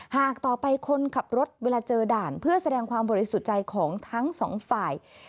ต่อไปคนขับรถเวลาเจอด่านเพื่อแสดงความบริสุทธิ์ใจของทั้งสองฝ่าย